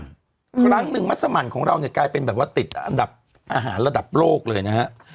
ครั้งหนึ่งมัสมันของเราเนี่ยกลายเป็นแบบว่าติดอันดับอาหารระดับโลกเลยนะฮะ